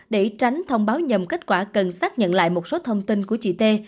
để tránh thông báo nhầm kết quả cần xác nhận lại một số thông tin của chị t